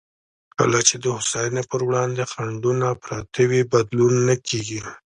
کله چې د هوساینې پر وړاندې خنډونه پراته وي، بدلون نه کېږي.